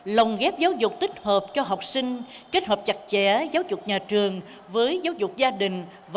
lồng ghép giáo dục tích hợp cho học sinh kết hợp chặt chẽ giáo dục nhà trường với giáo dục gia đình